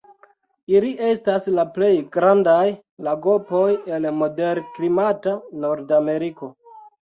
Ili estas la plej grandaj lagopoj el moderklimata Nordameriko.